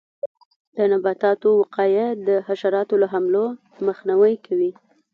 د نباتاتو وقایه د حشراتو له حملو مخنیوی کوي.